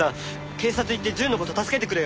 警察行って淳の事を助けてくれよ！